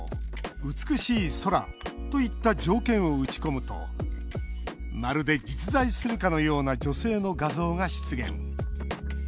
「美しい空」といった条件を打ち込むとまるで実在するかのような女性の画像が出現。